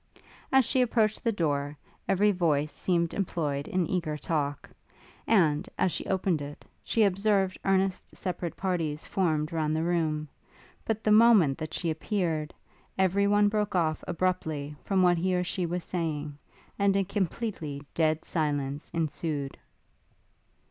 As she approached the door, every voice seemed employed in eager talk; and, as she opened it, she observed earnest separate parties formed round the room; but the moment that she appeared, every one broke off abruptly from what he or she was saying, and a completely dead silence ensued.